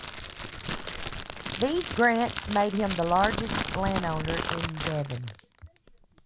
These grants made him the largest landowner in Devon.